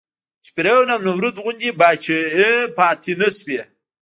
چې فرعون او نمرود غوندې پاچاهۍ پاتې نه شوې.